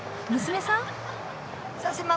娘さん？